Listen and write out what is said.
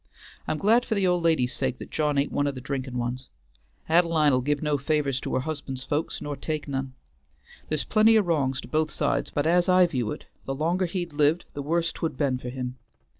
I'm glad for the old lady's sake that John ain't one o' the drinkin' ones. Ad'line'll give no favors to her husband's folks, nor take none. There's plenty o' wrongs to both sides, but as I view it, the longer he'd lived the worse 't would been for him.